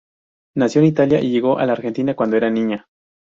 Nació en Italia y llegó a la Argentina cuando era niña.